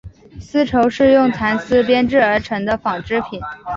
丝绸是用蚕丝编制而成的纺织品。